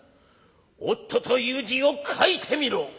『夫という字を書いてみろ。